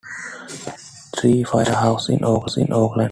There are three firehouses in Oakland.